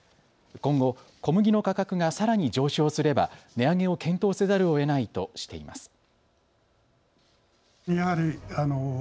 今後、小麦の価格がさらに上昇すれば値上げを検討せざるをえないとしています。